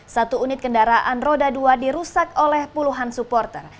satu unit kendaraan roda dua dirusak oleh puluhan supporter